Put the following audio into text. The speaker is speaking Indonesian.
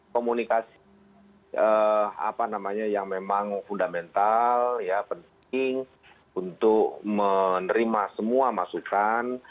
komunikasi yang memang fundamental penting untuk menerima semua masukan